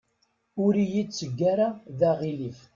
Ur iyi-tteg ara d aɣilif.